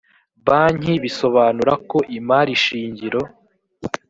banki bisobanura ko imari shingiro